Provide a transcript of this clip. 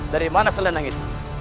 dari mana selendang itu